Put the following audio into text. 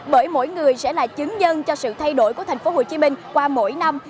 bởi mỗi người sẽ là chứng dân cho sự thay đổi của tp hcm qua mỗi năm